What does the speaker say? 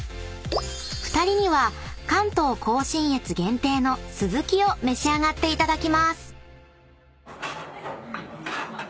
［２人には関東甲信越限定のすずきを召し上がっていただきます］